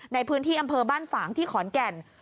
ในพื้นที่อำเภอบ้านฝางที่ขอนแก่น